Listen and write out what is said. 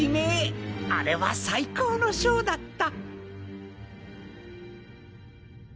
あれは最高のショーだった。